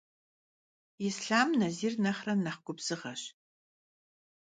Yislham Nazir nexhre nexh gubzığeş.